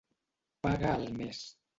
Paga al mes.